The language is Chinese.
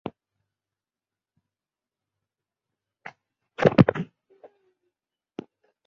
天文学家对观测资料的分析是谨慎而广泛的。